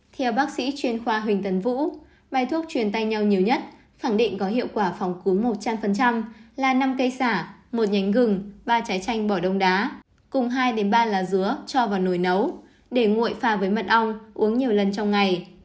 theo bác sĩ chuyên khoa huỳnh tấn vũ bài thuốc truyền tay nhau nhiều nhất khẳng định có hiệu quả phòng cúm một trăm linh là năm cây xả một nhánh gừng ba trái chanh bỏ đông đá cùng hai ba lá dứa cho vào nổi nấu để nguội phà với mật ong uống nhiều lần trong ngày